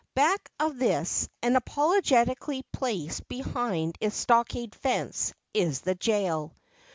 Back of this, and apologetically placed behind its stockade fence, is the jail.